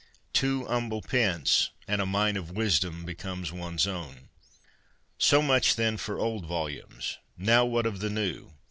Two humble pence, and a mine of wisdom becomes one's own. So much, then, for old volumes. Now, what of the new